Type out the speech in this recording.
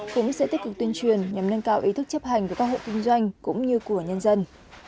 cũng sẽ tích cực tuyên truyền nhằm nâng cao ý thức chấp hành của các hộ kinh doanh cũng như của nhân dân